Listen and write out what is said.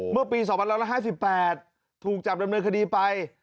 เมื่อปี๒๕๕๘ถูกจับดำเนินคดีไป